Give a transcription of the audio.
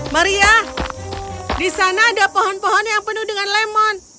maria di sana ada pohon pohon yang penuh dengan lemon